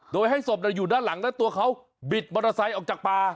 โดยให้ศพอยู่ด้านหลังแล้วตัวเขาบิดมอเตอร์ไซค์ออกจากป่า